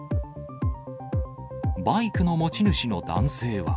バイクの持ち主の男性は。